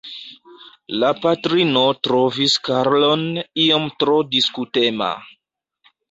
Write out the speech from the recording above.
La patrino trovis Karlon iom tro diskutema.